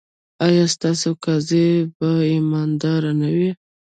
ایا ستاسو قاضي به ایماندار نه وي؟